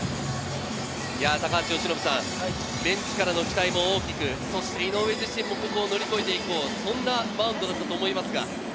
高橋由伸さん、ベンチからの期待も大きく、そして井上としてもここを乗り越えていく、そんなマウンドだったと思いますが。